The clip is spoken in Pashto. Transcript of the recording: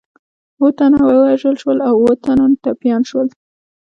اووه تنه ووژل شول او اووه تنه ټپیان شول.